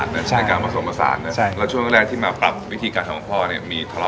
คือเค้าก็ทำตั้ง๔๐กว่าปีแล้ว